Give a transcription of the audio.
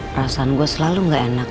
perasaan gue selalu gak enak